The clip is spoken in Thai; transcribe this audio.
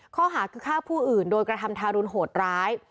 ข้อหาคือฆ่าผู้อื่นโดยกระทำทารุณโหดร้าย